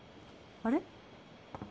「あれ？」